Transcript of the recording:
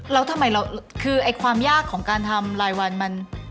แล้วทำไมเราคือความยากของการทำรายวันมัน